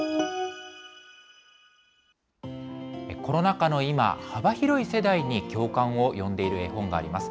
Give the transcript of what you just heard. コロナ禍の今、幅広い世代に共感を呼んでいる絵本があります。